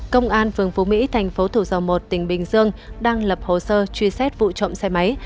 công an phường phú mỹ thành phố thủ dầu một tỉnh bình dương đang lập hồ sơ truy xét vụ trộm xe máy